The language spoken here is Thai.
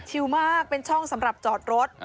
มากเป็นช่องสำหรับจอดรถ